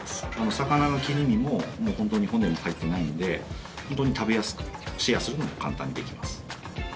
魚の切り身も本当に骨も入ってないんで本当に食べやすくシェアするのも簡単にできます。